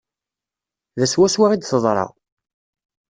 Da swaswa i d-teḍra.